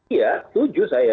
iya setuju saya